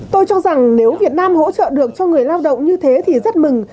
tôi cho rằng nếu việt nam hỗ trợ được cho người lao động như thế thì rất mừng